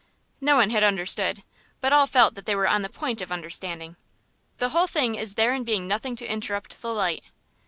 No one had understood, but all felt that they were on the point of understanding. "The whole thing is in there being nothing to interrupt the light."